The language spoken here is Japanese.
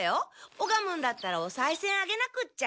おがむんだったらおさいせんあげなくっちゃ。